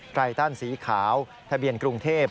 ไรตันสีขาวทะเบียนกรุงเทพ